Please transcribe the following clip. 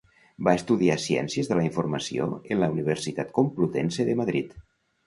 Va estudiar Ciències de la Informació en la Universitat Complutense de Madrid.